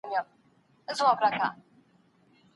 که زغم ونه سي، پایله به ښه نه وي.